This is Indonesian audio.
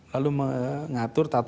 lalu mengatur tata ruang